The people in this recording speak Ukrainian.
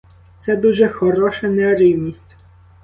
Це дуже хороша нерівність.